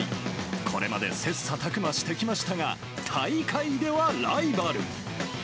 これまで切さたく磨してきましたが、大会ではライバル。